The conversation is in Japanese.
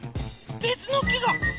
べつの木が！